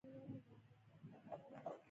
د ښار د واټ انځور کي،